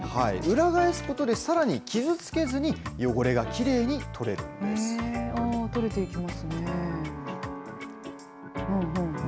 裏返すことで、さらに傷つけずに、汚れがきれいに取れるんであー、取れていきますね。